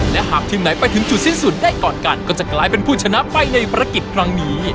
และหากทีมไหนไปถึงจุดสิ้นสุดได้ก่อนกันก็จะกลายเป็นผู้ชนะไปในภารกิจครั้งนี้